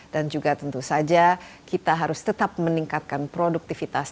dan juga tentu saja kita harus tetap meningkatkan produktivitas